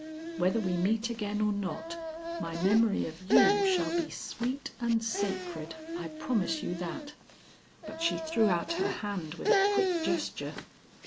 Whether we meet again or not, my memory of you shall be sweet and sacred, I promise you that." But she threw out her hand with a quick gesture.